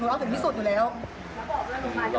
ไอ้เฮี้ย